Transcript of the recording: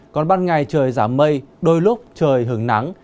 còn ban ngày trời giảm mây đôi lúc trời hứng nắng